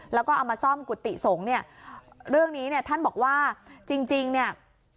แล้วก็เอามาซ่อมกุฏิสงฆ์เนี่ยเรื่องนี้เนี่ยท่านบอกว่าจริงจริงเนี่ย